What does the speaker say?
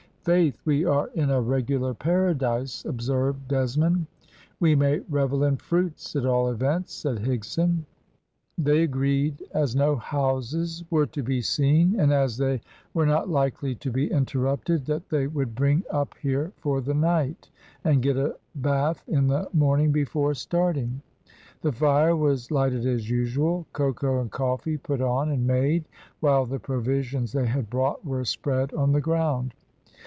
"Faith! we are in a regular paradise," observed Desmond. "We may revel in fruits, at all events," said Higson. They agreed, as no houses were to be seen, and as they were not likely to be interrupted, that they would bring up here for the night, and get a bathe in the morning before starting. The fire was lighted as usual; cocoa and coffee put on and made, while the provisions they had brought were spread on the ground.